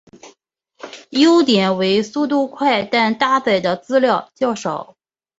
优点为速度快但搭载的资料量较少。